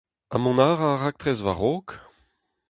Ha mont a ra ar raktres war-raok ?